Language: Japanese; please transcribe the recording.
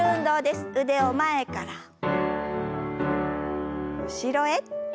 腕を前から後ろへ。